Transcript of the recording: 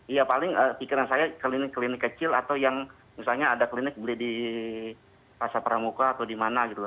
iya paling pikiran saya klinik klinik kecil atau yang misalnya ada klinik beli di pasar pramuka atau di mana gitu